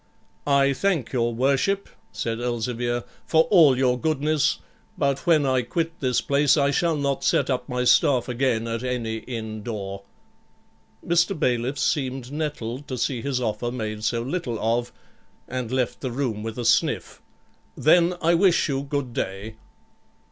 'I thank your worship,' said Elzevir, 'for all your goodness; but when I quit this place, I shall not set up my staff again at any inn door.' Mr. Bailiff seemed nettled to see his offer made so little of, and left the room with a stiff, 'Then I wish you good day.'